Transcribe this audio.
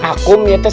akum ya teh